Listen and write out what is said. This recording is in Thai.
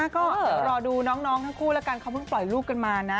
ก็เดี๋ยวรอดูน้องทั้งคู่แล้วกันเขาเพิ่งปล่อยลูกกันมานะ